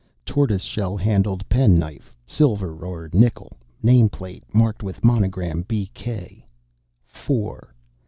Tortoise shell handled penknife, silver or nickel, name plate, marked with monogram "B.K." 4.